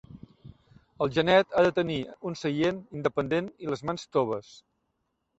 El genet ha de tenir un seient independent i les mans toves.